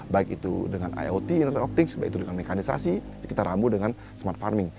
baik itu dengan iot internet of things baik itu dengan mekanisasi kita rambu dengan smart farming